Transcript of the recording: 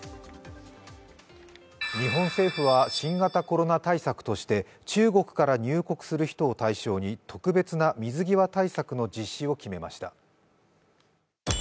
日本政府は新型コロナ対策として、中国から入国する人を対象に特別な水際対策の実施を決めました。